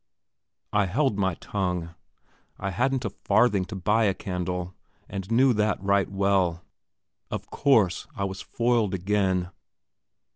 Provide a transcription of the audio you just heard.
I held my tongue. I hadn't a farthing to buy a candle, and knew that right well. Of course I was foiled again!